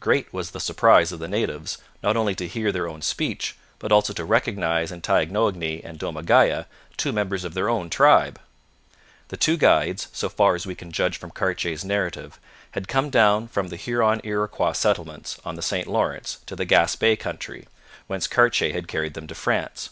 Great was the surprise of the natives not only to hear their own speech, but also to recognize in Taignoagny and Domagaya two members of their own tribe. The two guides, so far as we can judge from Cartier's narrative, had come down from the Huron Iroquois settlements on the St Lawrence to the Gaspe country, whence Cartier had carried them to France.